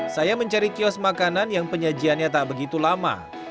saya mencari kios makanan yang penyajiannya tak begitu lama